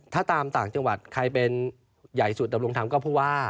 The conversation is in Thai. ถ้าตามต่างจังหวัดใครเป็นใหญ่สุดดำรงธรรมก็ผู้ว่า